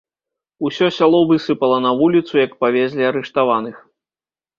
Усё сяло высыпала на вуліцу, як павезлі арыштаваных.